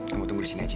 kamu tunggu disini aja